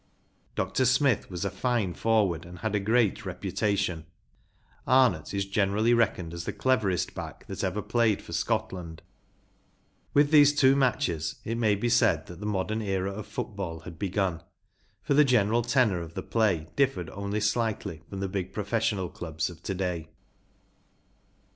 Dr. Smith was a fine forward and had a great reputation, Arnott is gener¬ ally reckoned as the cleverest back that ever played for Scotland* With these two matches it may be said that the modern era of foot¬ ball had begun, for the general tenor of the play differed only slightly from that of the big professional clubs of to day.